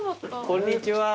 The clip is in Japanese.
こんにちは。